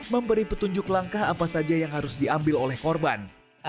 memberi petunjuk langkah apa saja yang harus diambil oleh korban